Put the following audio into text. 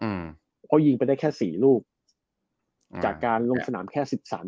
เพราะว่ายิงไปได้แค่๔รูปจากการลงสนามแค่๑๓เกม